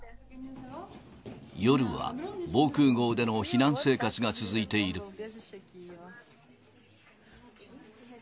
夜は防空ごうでの避難生活が続いている。